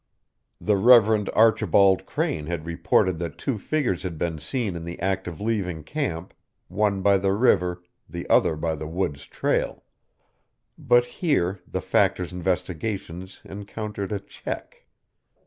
The Reverend Archibald Crane had reported that two figures had been seen in the act of leaving camp, one by the river, the other by the Woods Trail. But here the Factor's investigations encountered a check.